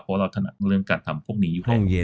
เพราะเราถนัดเรื่องการทำพวกนี้อยู่แหละ